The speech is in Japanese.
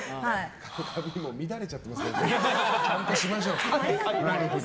髪の毛も乱れちゃってますからちゃんとしましょう。